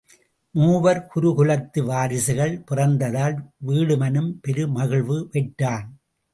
மூவர் குரு குலத்து வாரிசுகள் பிறந்ததால் வீடுமனும் பெரு மகிழ்வு பெற்றான்.